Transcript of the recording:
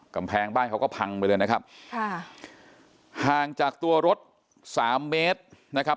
กำแพงบ้านเขาก็พังไปเลยนะครับค่ะห่างจากตัวรถสามเมตรนะครับ